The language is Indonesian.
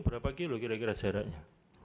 berapa kilo kira kira jaraknya